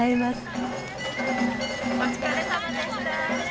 お疲れさまでした。